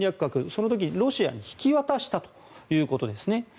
その時、ロシアに引き渡したということですね。